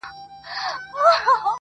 بس ما هم پیدا کولای سی یارانو؛